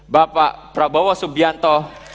bapak prabowo subianto